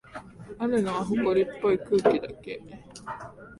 あるのは、ほこりっぽい空気だけ。